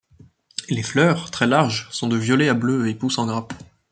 Les fleurs, très larges, sont de violet à bleu et poussent en grappes.